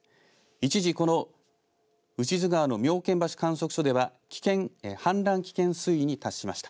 一時この牛津川の妙見橋観測所では氾濫危険水位に達しました。